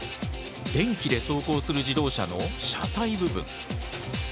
電気で走行する自動車の車体部分。